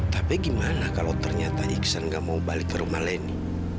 tapi gimana kalau ternyata iksan nggak mau balik ke rumah leni